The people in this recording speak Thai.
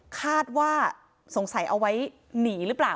คาดว่าสงสัยเอาไว้หนีหรือเปล่า